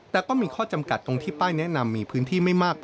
แต่ก็มีข้อจำกัดตรงที่ป้ายแนะนำมีพื้นที่ไม่มากพอ